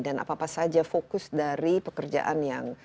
dan apa apa saja fokus dari pekerjaan yang